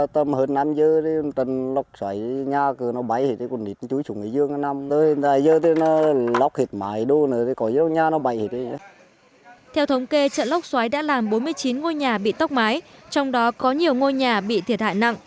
theo thống kê trận lốc xoáy đã làm bốn mươi chín ngôi nhà bị tốc mái trong đó có nhiều ngôi nhà bị thiệt hại nặng